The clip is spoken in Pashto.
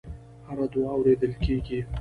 هره دعا اورېدل کېږي.